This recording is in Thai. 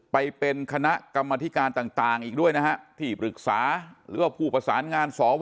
ไปเป็นคณะกรรมธิการต่างอีกด้วยนะฮะที่ปรึกษาหรือว่าผู้ประสานงานสว